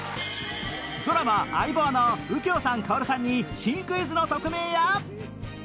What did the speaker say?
ドラマ『相棒』の右京さん薫さんに新クイズの特命や